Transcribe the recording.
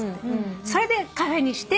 それでカフェにして。